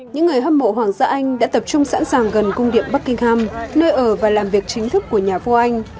những người hâm mộ hoàng gia anh đã tập trung sẵn sàng gần cung điểm buckingham nơi ở và làm việc chính thức của nhà vua anh